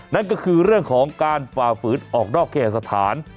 นั่นก็คือเรื่องของการฝ่าฝืนออกนอกเขตสถาน